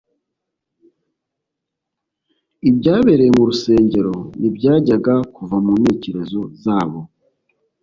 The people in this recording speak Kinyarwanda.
ibyabereye mu rusengero ntibyajyaga kuva mu ntekerezo zabo